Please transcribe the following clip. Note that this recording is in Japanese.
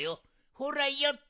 ほらよっと！